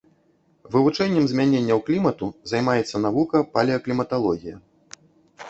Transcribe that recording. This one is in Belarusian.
Вывучэннем змяненняў клімату займаецца навука палеакліматалогія.